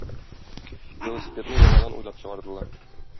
Велосипедны яңадан уйлап чыгардылар!